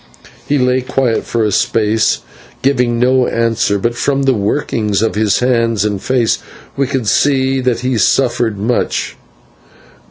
He lay quiet for a space, giving no answer, but from the workings of his hands and face we could see that he suffered much.